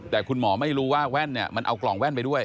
แต่คุณหมอไม่รู้ว่าแว่นเนี่ยมันเอากล่องแว่นไปด้วย